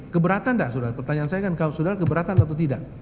keberatan tidak saudara pertanyaan saya kan saudara keberatan atau tidak